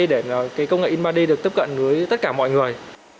để công nghệ in ba d được tiếp cận với tất cả mọi người